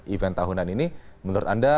event tahunan ini menurut anda